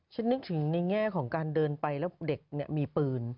นึกถึงในแง่ของการเดินไปแล้วเด็กมีปืน